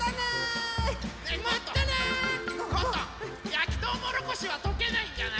やきとうもろこしはとけないんじゃない？